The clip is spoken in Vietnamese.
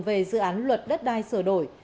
về dự án luật đất đai sửa đổi